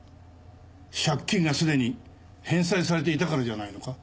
借金がすでに返済されていたからじゃないのか？